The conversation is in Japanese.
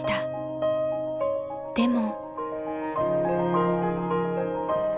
［でも］